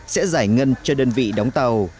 sẽ giải ngân cho đơn vị đóng tàu